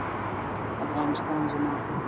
افغانستان زما